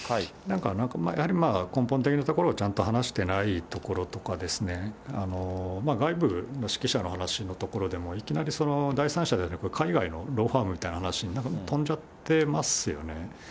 なんか、やはり根本的なところをちゃんと話してないところとか、外部の識者の話のところでも、いきなり第三者ではなく、海外のローファームみたいな話に、なんか飛んじゃってますよね。